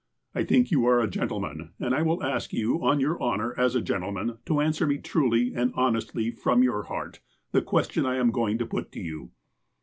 I think you are a gentleman, and I will ask you on your honour as a gentleman to answer me truly and honestly from your heart the question I am going to put to you.